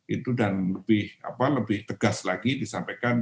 itu dan lebih tegas lagi disampaikan